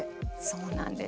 そうなんです。